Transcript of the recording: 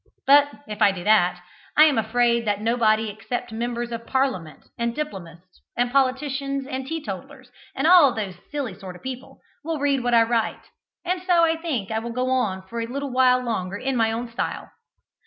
But if I do that, I am afraid that nobody except members of parliament and diplomatists, politicians and teetotalers, and all those silly sort of people, will read what I write, and so I think I will go on for a little while longer in my old style.